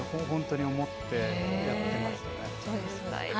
本当に思ってやってますね。